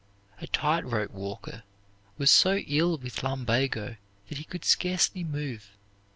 A tight rope walker was so ill with lumbago that he could scarcely move.